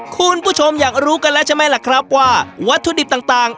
คุณผู้ชมอยากรู้กันแล้วใช่ไหมล่ะครับว่าวัตถุดิบต่าง